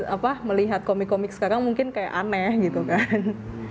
apa melihat komik komik sekarang mungkin kayak aneh gitu kan